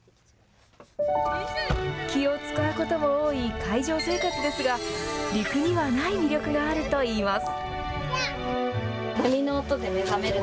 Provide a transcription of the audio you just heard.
気を遣うことも多い海上生活ですが陸にはない魅力があると言います。